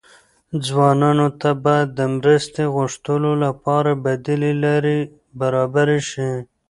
ځوانانو ته باید د مرستې غوښتلو لپاره بدیل لارې برابرې شي.